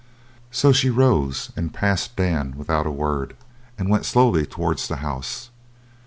So she rose, and passed Dan without a word, and went slowly towards the house.